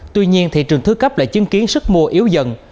tuy nhiên thị trường thứ cấp lại chứng kiến sức mua yếu dần